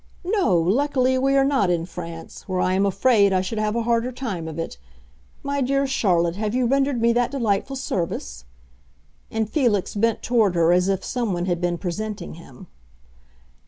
"No, luckily, we are not in France, where I am afraid I should have a harder time of it. My dear Charlotte, have you rendered me that delightful service?" And Felix bent toward her as if someone had been presenting him.